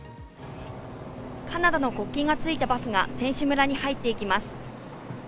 カナダの国旗がついたバスが選手村に入っていきます。